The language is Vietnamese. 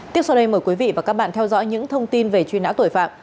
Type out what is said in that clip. tiếp sau đây mời quý vị và các bạn theo dõi những thông tin về truy nã tội phạm